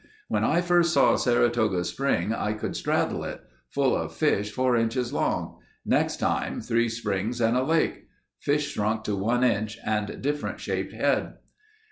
"When I first saw Saratoga Spring I could straddle it. Full of fish four inches long. Next time, three springs and a lake. Fish shrunk to one inch and different shaped head."